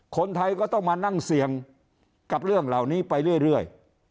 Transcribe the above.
คนไทยก็ต้องมานั่งเสี่ยงกับเรื่องเหล่านี้ไปเรื่อย